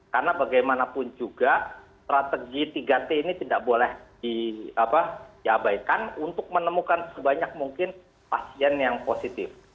karena bagaimanapun juga strategi tiga t ini tidak boleh diabaikan untuk menemukan sebanyak mungkin pasien yang positif